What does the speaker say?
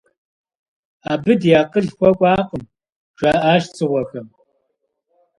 Абы ди акъыл хуэкӏуакъым, - жаӏащ дзыгъуэхэм.